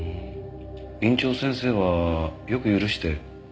院長先生はよく許して。